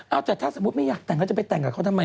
เอาแต่ถ้าสมมุติไม่อยากแต่งแล้วจะไปแต่งกับเขาทำไม